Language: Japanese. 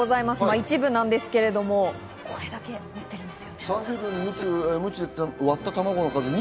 一部なんですけど、これだけ持ってるんです。